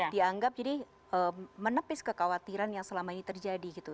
dianggap jadi menepis kekhawatiran yang selama ini terjadi gitu